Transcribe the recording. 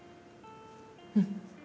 うん。